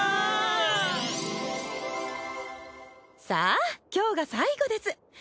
さぁ今日が最後です。